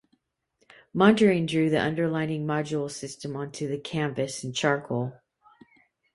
Mondrian drew the underlying modular system onto the canvas in charcoal.